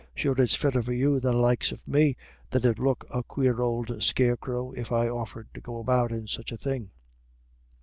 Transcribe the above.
Sure it's fitter for you than the likes of me, that 'ud look a quare old scarecrow if I offered to go about in such a thing."